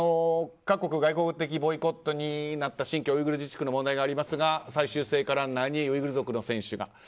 各国外交的ボイコットになった新疆ウイグル自治区の問題がありますが最終聖火ランナーにウイグル族の選手が。